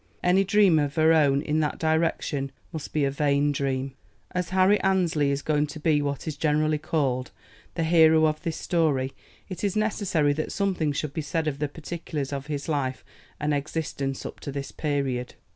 Any dream of her own in that direction must be a vain dream. As Harry Annesley is going to be what is generally called the hero of this story, it is necessary that something should be said of the particulars of his life and existence up to this period.